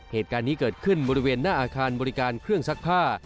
เหตุการณ์นี้เกิดขึ้นบริเวณหน้าอาคารบริการเครื่องซักผ้า